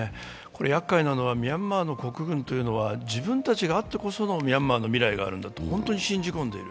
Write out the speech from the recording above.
やっかいなのはミャンマーの国軍というのは自分たちがいるからミャンマーの未来があるんだと本当に信じ込んでいる。